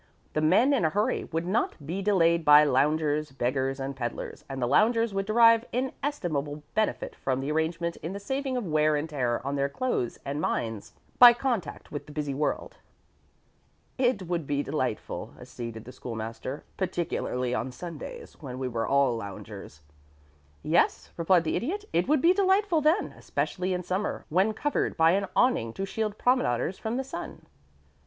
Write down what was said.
The men in a hurry would not be delayed by loungers, beggars, and peddlers, and the loungers would derive inestimable benefit from the arrangement in the saving of wear and tear on their clothes and minds by contact with the busy world." "It would be delightful," acceded the School master, "particularly on Sundays, when they were all loungers." "Yes," replied the Idiot. "It would be delightful then, especially in summer, when covered with an awning to shield promenaders from the sun."